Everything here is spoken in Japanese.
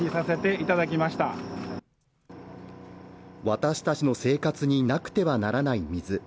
私たちの生活になくてはならない水。